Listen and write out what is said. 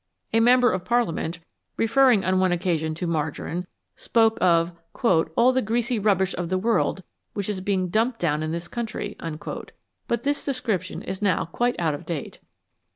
A member of Parliament, referring on one occasion to margarine, spoke of "all the greasy rubbish of the world which is being dumped down in this country "; but this description is now quite out of date.